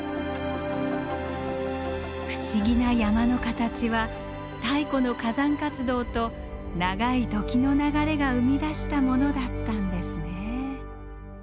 不思議な山の形は太古の火山活動と長い時の流れが生み出したものだったんですね。